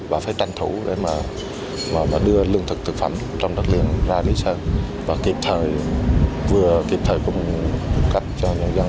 và phải tranh thủ để mà đưa lương thực thực phẩm trong đất liền ra lý sơn và kịp thời vừa kịp thời cung cấp cho người dân